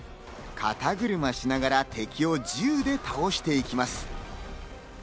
肩車しながら敵を銃で倒していきます。